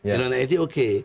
dengan it oke